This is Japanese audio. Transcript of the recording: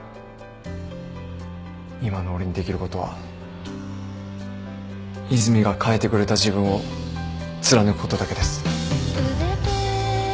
今の俺にできることは和泉が変えてくれた自分を貫くことだけです。